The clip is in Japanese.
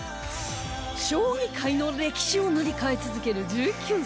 将棋界の歴史を塗り替え続ける１９歳